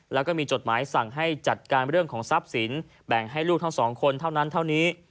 แล้วก็มีจดหมายสั่งให้จัดการเรื่องของทรัพย์สินแบ่งให้ลูกทั้งสองคนเท่านั้นเท่านี้